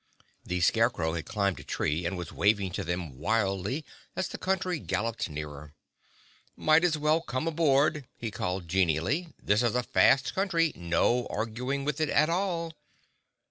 The Scarecrow had climbed a tree, and was waving to them wildly as the Country galloped nearer. "Might as well come aboard," he called genially. "This is a fast Country—no arguing with it at all."